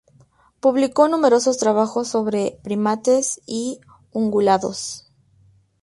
Publicó numerosos trabajos sobre primates y ungulados.